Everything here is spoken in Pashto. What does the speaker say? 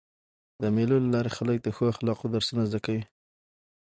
د مېلو له لاري خلک د ښو اخلاقو درسونه زده کوي.